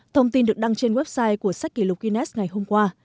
thông tin được đăng trên website của sách kỷ lục guinness ngày hôm qua